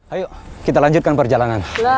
ayo kita lanjutkan perjalanan